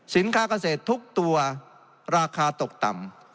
สินค้าเข้าเศษทุกตัวราคาตกต่ำ